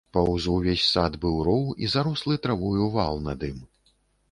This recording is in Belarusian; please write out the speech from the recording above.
Паўз увесь сад быў роў і зарослы травою вал над ім.